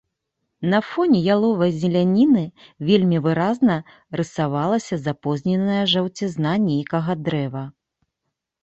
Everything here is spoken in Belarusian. На фоне яловай зеляніны вельмі выразна рысавалася запозненая жаўцізна нейкага дрэва.